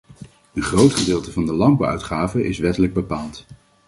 Een groot gedeelte van de landbouwuitgaven is wettelijk bepaald.